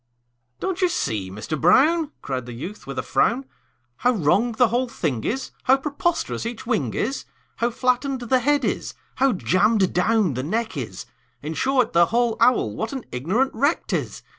"Don't you see, Mister Brown," Cried the youth, with a frown, "How wrong the whole thing is, How preposterous each wing is, How flattened the head is, how jammed down the neck is In short, the whole owl, what an ignorant wreck 't is!